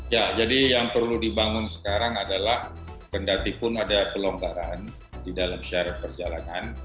ya jadi yang perlu dibangun sekarang adalah pendatipun ada pelonggaran di dalam syarat perjalanan